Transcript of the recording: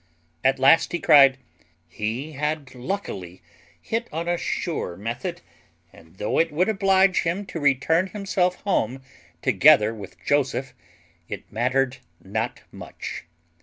At last he cried, "He had luckily hit on a sure method, and, though it would oblige him to return himself home together with Joseph, it mattered not much."